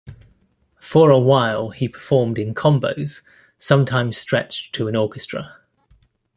For a while, he performed in combos, sometimes stretched to an orchestra.